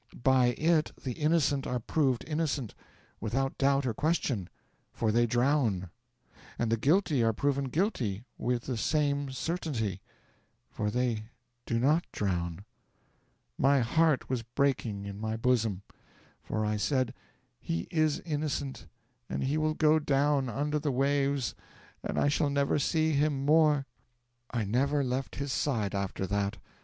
By it the innocent are proved innocent, without doubt or question, for they drown; and the guilty are proven guilty with the same certainty, for they do not drown. My heart was breaking in my bosom, for I said, "He is innocent, and he will go down under the waves and I shall never see him more." 'I never left his side after that.